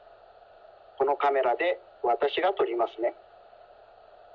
このカメラでわたしがとりますね。